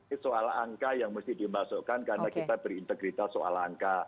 ini soal angka yang mesti dimasukkan karena kita berintegritas soal angka